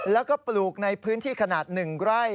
แล้วก็ปลูกในพื้นที่ขนาด๑ไร่